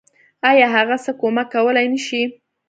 آيا هغه څه کمک کولی نشي.